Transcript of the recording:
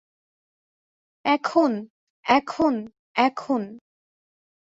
এখন, এখন, এখন।